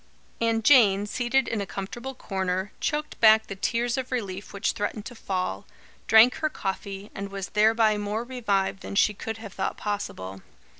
And Jane, seated in a comfortable corner, choked back the tears of relief which threatened to fall, drank her coffee, and was thereby more revived than she could have thought possible.